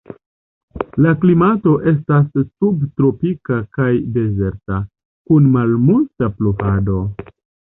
La klimato estas subtropika kaj dezerta, kun malmulta pluvado.